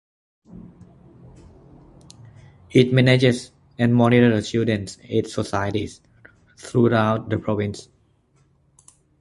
It manages and monitors Children's Aid Societies throughout the province.